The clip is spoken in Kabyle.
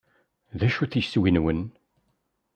D acu-t yiswi-nwen?